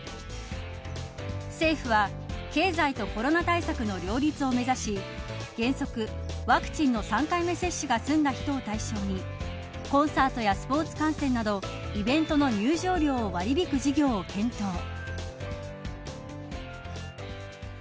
政府は経済とコロナ対策の両立を目指し原則ワクチンの３回目の接種が済んだ人を対象にコンサートやスポーツ観戦などイベントの入場料を割り引く制度を検討。